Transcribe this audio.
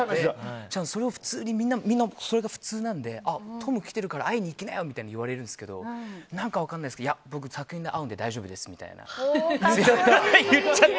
みんな、それが普通なんでトム来てるから会いに行きなよみたいに言われたんですけど何か分かんないんですけど僕、撮影で会うので大丈夫ですみたいな。